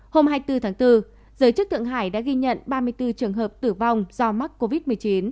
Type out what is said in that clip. hôm hai mươi bốn tháng bốn giới chức thượng hải đã ghi nhận ba mươi bốn trường hợp tử vong do mắc covid một mươi chín